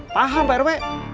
paham pak rw